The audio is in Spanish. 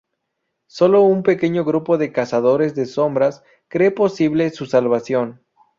Solo un pequeño grupo de Cazadores de Sombras cree posible su salvación.